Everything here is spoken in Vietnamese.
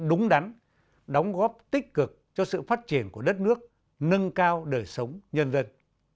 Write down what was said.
đúng đắn đóng góp tích cực cho sự phát triển của đất nước nâng cao đời sống nhân dân